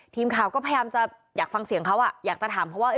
ทีมข่าวก็พยายามจะฟังเสียงเขาสถามว่า